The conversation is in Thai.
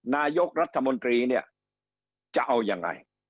นายกรัฐมนตรีเนี่ยจะเอายังไง